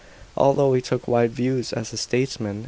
Although he took wide views as a statesman.